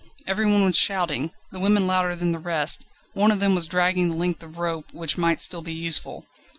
Everyone was shouting; the women louder than the rest; one of them was dragging the length of rope, which might still be useful.